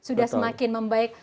sudah semakin membaik